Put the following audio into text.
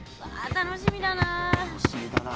楽しみだな。